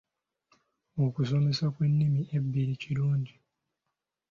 Okusomesa kw'ennimi ebbiri kirungi.